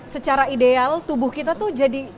secara ideal tubuh kita tuh jadi